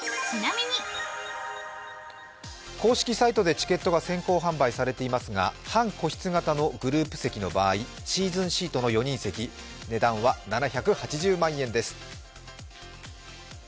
公式サイトでチケットが先行販売されていますが、半個室型のグループ席の場合シーズンシートの４人席、値段は７８０万円です。